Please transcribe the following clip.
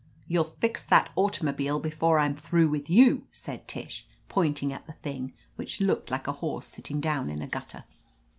"You'll fix that automobile before I'm through with you !" said Tish, pointing at the thing, which looked like a horse sitting down in a gutter.